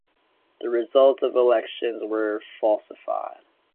The results of elections were falsified.